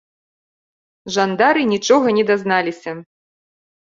Жандары нічога не дазналіся.